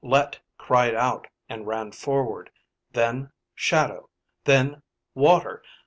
Let cried out and ran forward. Then shadow. Then water.